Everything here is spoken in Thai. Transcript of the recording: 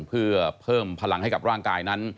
เพื่อเพิ่มพลังให้กับร่างกายนั้น